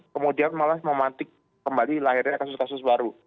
kemudian malah memantik kembali lahirnya kasus kasus baru